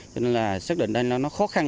cho nên là xác định đây nó khó khăn